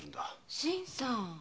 新さん？